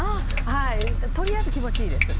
とりあえず気持ちいいです。